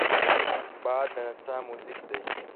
باد د نڅا موزیک دی